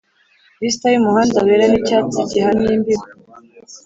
vista yumuhanda wera nicyatsi gihana imbibi,